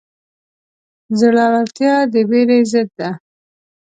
زړورتیا د وېرې ضد ده.